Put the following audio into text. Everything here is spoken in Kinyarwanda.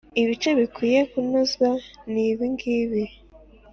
ibice bikwiye kunozwa nibingibi